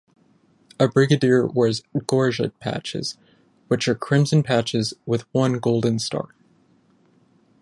A brigadier wears gorget patches which are crimson patches with one golden star.